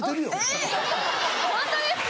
えっ⁉ホントですか？